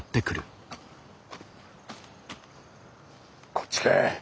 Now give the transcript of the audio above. こっちか。